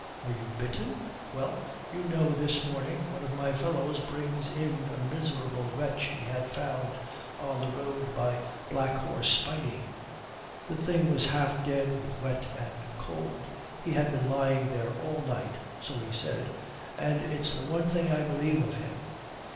Were you bitten? Well, you know, this morning one of my fellows brings in a miserable wretch he had found on the road by Black Horse Spinney. The thing was half dead with wet and cold. He had been lying there all night so he said, and it's the one thing I believe of him.